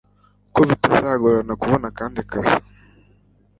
ko bitazagorana kubona akandi kazi